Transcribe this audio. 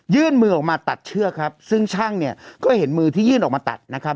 ยื่นมือออกมาตัดเชือกครับซึ่งช่างเนี่ยก็เห็นมือที่ยื่นออกมาตัดนะครับ